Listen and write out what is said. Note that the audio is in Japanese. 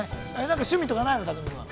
趣味とかないの、拓実君は。